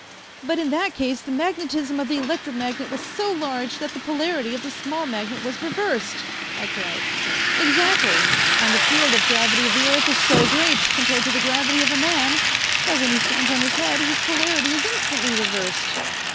"But in that case the magnetism of the electromagnet was so large that the polarity of the small magnet was reversed!" I cried. "Exactly, and the field of gravity of the earth is so great compared to the gravity of a man that when he stands on his head, his polarity is instantly reversed."